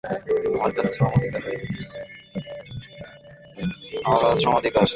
আমার কাছে শ্রম অধিকারের বিষয়টি একটি অস্পষ্ট বিষয় বলে মনে হয়।